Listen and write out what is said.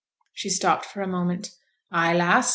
She stopped for a moment. 'Ay, lass!